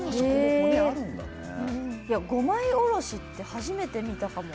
５枚おろしって初めて見たかも。